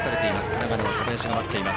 長野、小林が待っています。